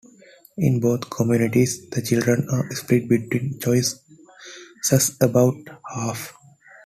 In both communities, the children are split between choices about half.